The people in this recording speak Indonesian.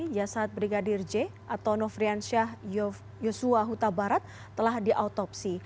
jasad brigadir j atau nofriansyah yusua huta barat telah diautopsi